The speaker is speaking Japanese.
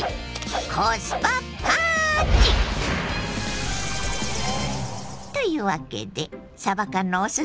コスパ・パーンチ！というわけでさば缶のお裾分け。